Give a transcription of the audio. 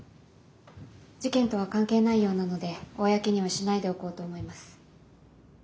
事件とは関係ないようなので公にはしないでおこうと思います。